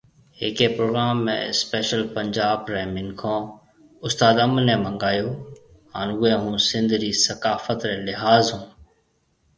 ھيَََڪي پروگرام ۾ اسپيشل پنجاب ري منکون استاد انب ني منگايو ھان اوئي ھونسنڌ ري ثقافت ري لحاظ ۿون